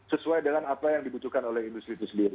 sesuai dengan apa yang dibutuhkan oleh industri